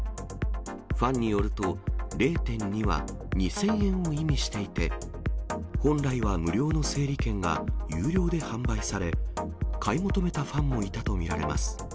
ファンによると、０．２は２０００円を意味していて、本来は無料の整理券が有料で販売され、買い求めたファンもいたと見られます。